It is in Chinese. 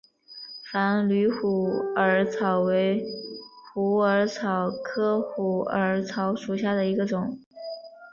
繁缕虎耳草为虎耳草科虎耳草属下的一个种。